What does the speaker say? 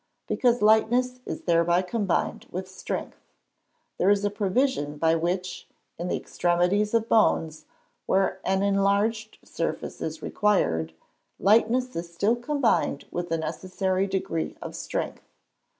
_ Because lightness is thereby combined with strength. There is a provision by which, in the extremities of bones, where an enlarged surface is required, lightness is still combined with the necessary degree of strength.